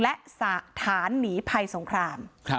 และสถานหนีภัยสงคราม